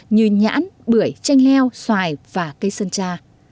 như nhãn bưởi chanh leo xoài và cây sơn tra